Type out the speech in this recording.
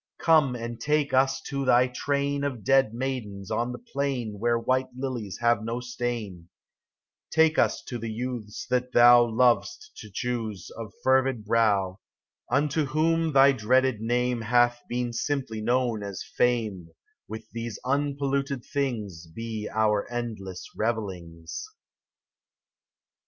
Come and take us to thy train Of dead maidens on the plain Where white lilies have no stain ; Take us to the youths, that thou Lov'st to choose, of fervid brow, Unto whom thy dreaded name Hath been simply known as Fame : With these unpolluted things Be our endless revellings.